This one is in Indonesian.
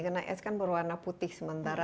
karena es kan berwarna putih sementara tuh airnya